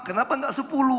kenapa gak sepuluh